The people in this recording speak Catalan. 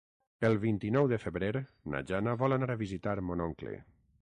El vint-i-nou de febrer na Jana vol anar a visitar mon oncle.